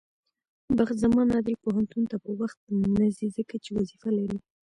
بخت زمان عادل پوهنتون ته په وخت نځي، ځکه چې وظيفه لري.